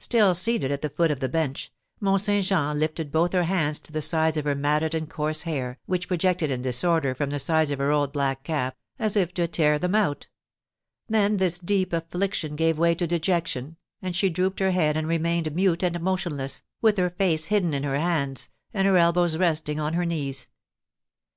Still seated at the foot of the bench, Mont Saint Jean lifted both her hands to the sides of her matted and coarse hair, which projected in disorder from the sides of her old black cap, as if to tear them out; then this deep affliction gave way to dejection, and she drooped her head and remained mute and motionless, with her face hidden in her hands, and her elbows resting on her knees.